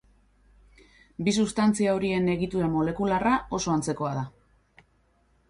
Bi substantzia horien egitura molekularra oso antzekoa da.